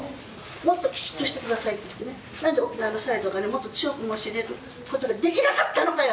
もっときちっとしてくださいと言ってね、なんで沖縄のサイドからもっと強く申し入れることができなかったのかよ！